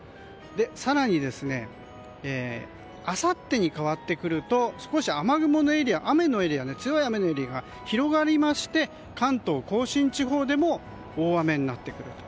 更に、あさってに変わってくると少し雨雲のエリア強い雨のエリアが広がりまして関東・甲信地方でも大雨になってくると。